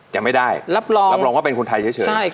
ยังไม่ได้รับรองว่าเป็นคนไทยเฉย